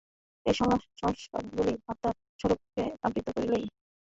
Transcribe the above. এই সংস্কারগুলি আত্মার স্বরূপকে আবৃত করিলেই এইসব বিভিন্ন ভাব উদিত হইয়া থাকে।